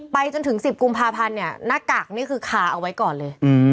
จนถึง๑๐กุมภาพันธ์เนี่ยหน้ากากนี่คือคาเอาไว้ก่อนเลย